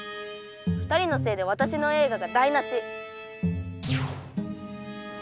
２人のせいでわたしの映画が台なし！」。